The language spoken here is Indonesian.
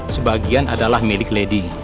sebagian adalah milik lady